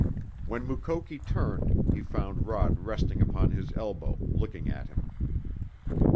When Mukoki turned he found Rod resting upon his elbow, looking at him.